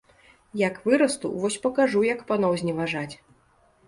Як вырасту, вось пакажу, як паноў зневажаць!